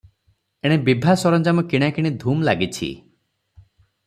ଏଣେ ବିଭା ସରଞ୍ଜାମ କିଣାକିଣି ଧୁମ୍ ଲାଗିଛି ।